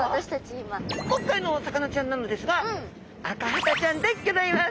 今回のお魚ちゃんなのですがアカハタちゃんでギョざいます。